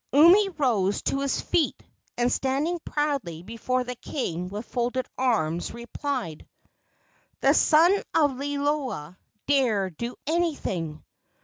Umi rose to his feet, and, standing proudly before the king with folded arms, replied: "The son of Liloa dare do anything!"